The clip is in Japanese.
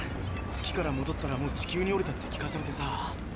月からもどったら「地球に降りた」って聞かされてさ。